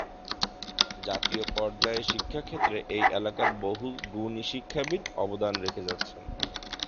জাতীয় পর্যায়ে শিক্ষাক্ষেত্রে এই এলাকার বহু গুণী শিক্ষাবিদ অবদান রেখে যাচ্ছেন।